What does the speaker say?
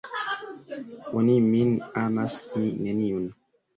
Oni min amas, mi neniun!